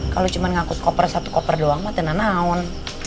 kalo cuman ngaku koper satu koper doang mah tena naon